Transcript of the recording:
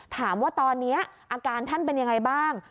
ถามว่าตอนนี้อาการท่านเป็นยังไงบ้าง